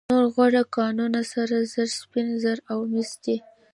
نور غوره کانونه سره زر، سپین زر او مس دي.